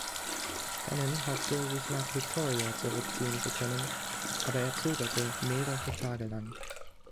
Fannin hoffte, sich nach Victoria zurückziehen zu können, aber er zögerte mehrere Tage lang.